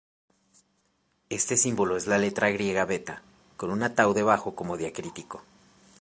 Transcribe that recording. Este símbolo es la letra griega beta con una tau debajo como diacrítico.